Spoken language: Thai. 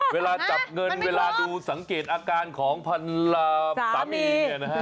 เวลาจับเงินเวลาดูสังเกตอาการของภรราสามี